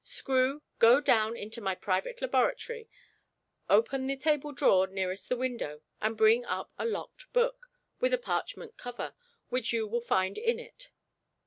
Screw, go down into my private laboratory, open the table drawer nearest the window, and bring up a locked book, with a parchment cover, which you will find in it."